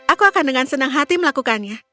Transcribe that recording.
aku akan dengan senang hati melakukannya